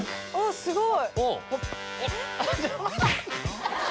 すごい！